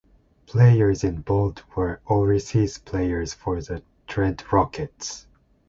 Players in Bold were overseas players for the Trent Rockets.